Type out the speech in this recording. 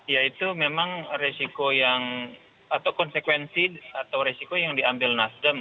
yaitu memang resiko yang atau konsekuensi atau resiko yang diambil nasdem